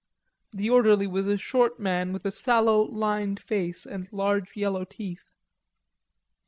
The orderly was a short man with a sallow, lined face and large yellow teeth.